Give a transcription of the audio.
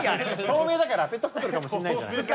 透明だからペットボトルかもしれないじゃない。